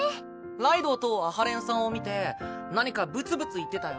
ライドウと阿波連さんを見て何かぶつぶつ言ってたよ。